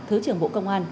thứ trưởng bộ công an